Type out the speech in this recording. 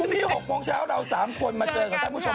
ทุกวันที่๖โมงเช้าเรา๓คนมาเจอกับท่านผู้ชมเจอกันค่ะ